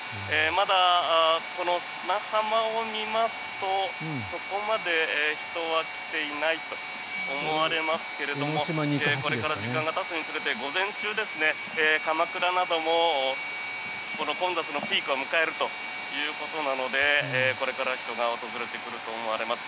まだこの砂浜を見ますとそこまで人は来ていないと思われますけどもこれから時間がたつにつれて午前中ですね、鎌倉なども混雑のピークを迎えるということなのでこれから人が訪れてくると思われます。